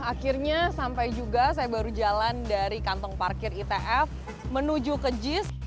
akhirnya sampai juga saya baru jalan dari kantong parkir itf menuju ke jis